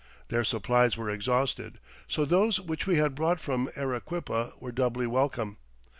Their supplies were exhausted, so those which we had brought from Arequipa were doubly welcome.